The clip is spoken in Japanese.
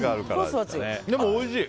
でも、おいしい！